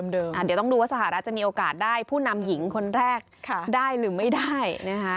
เดี๋ยวต้องดูว่าสหรัฐจะมีโอกาสได้ผู้นำหญิงคนแรกได้หรือไม่ได้นะคะ